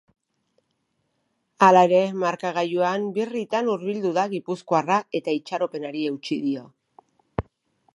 Hala ere, markagailuan birritan hurbildu da gipuzkoarra eta itxaropenari eutsi dio.